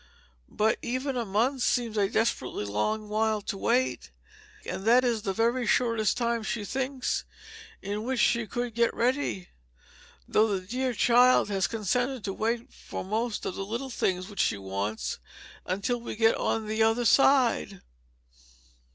But even a month seems a desperately long while to wait; and that is the very shortest time, she thinks, in which she could get ready though the dear child has consented to wait for most of the little things which she wants until we get on the other side."